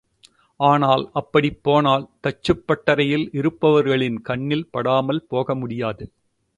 ஆனால், அப்படிப் போனால் தச்சுப்பட்டறையில் இருப்பவர்களின் கண்ணில் படாமல் போக முடியாது.